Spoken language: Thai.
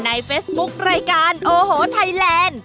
เฟซบุ๊ครายการโอโหไทยแลนด์